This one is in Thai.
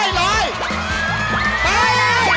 เฮ่ยลมภักด์โอ้โฮ